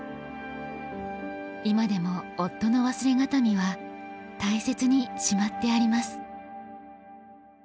今でも夫の忘れ形見は大切にしまってあります。